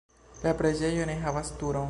La preĝejo ne havas turon.